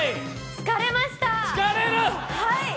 疲れました。